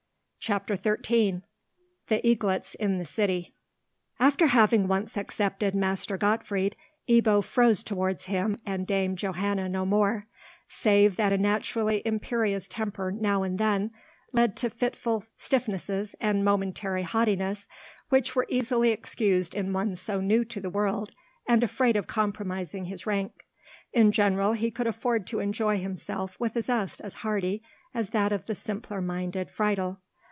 CHAPTER XIII THE EAGLETS IN THE CITY AFTER having once accepted Master Gottfried, Ebbo froze towards him and Dame Johanna no more, save that a naturally imperious temper now and then led to fitful stiffnesses and momentary haughtiness, which were easily excused in one so new to the world and afraid of compromising his rank. In general he could afford to enjoy himself with a zest as hearty as that of the simpler minded Friedel.